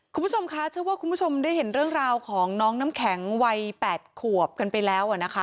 คุณผู้ชมคะเชื่อว่าคุณผู้ชมได้เห็นเรื่องราวของน้องน้ำแข็งวัย๘ขวบกันไปแล้วนะคะ